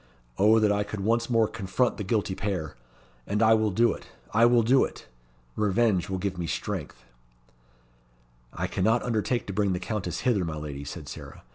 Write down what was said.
Oh, that I could once more confront the guilty pair! And I will do it I will do it! Revenge will give me strength." "I cannot undertake to bring the Countess hither, my lady," said Sarah.